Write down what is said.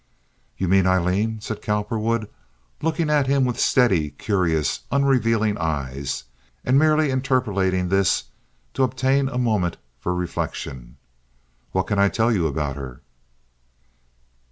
"You mean Aileen?" said Cowperwood, looking at him with steady, curious, unrevealing eyes, and merely interpolating this to obtain a moment for reflection. "What can I tell you about her?"